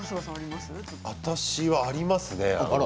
私はありますね。